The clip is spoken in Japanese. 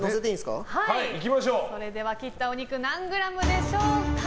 それでは切ったお肉何グラムでしょうか。